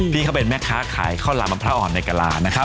ที่เขาเป็นแม่ค้าขายข้าวหลามมะพร้าวอ่อนในกะลานะครับ